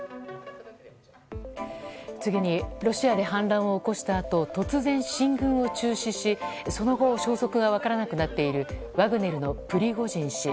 次にロシアで反乱を起こしたあと突然、進軍を中止しその後消息が分からなくなっているワグネルのプリゴジン氏。